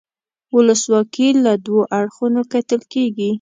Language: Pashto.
ولسواکي له دوو اړخونو کتل کیږي.